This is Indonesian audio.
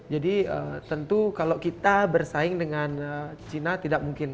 jadi tentu kalau kita bersaing dengan china tidak mungkin kan